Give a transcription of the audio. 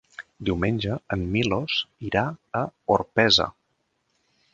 Diumenge en Milos irà a Orpesa.